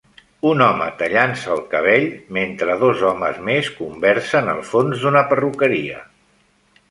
Un home tallant-se el cabell mentre dos homes més conversen al fons d'una perruqueria.